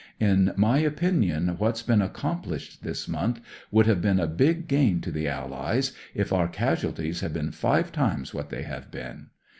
In my opinion, what's been accomplished this month would have been a big gain to the Allies if our casualties had been five times what they have been.